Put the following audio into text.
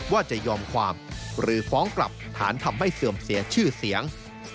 ว่าจะยอมความหรือฟ้องกลับฐานทำให้เสื่อมเสียชื่อเสียง